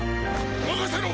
任せろ！